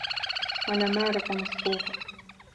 وَنَمَارِقُ مَصْفُوفَةٌ